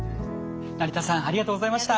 成田さんありがとうございました。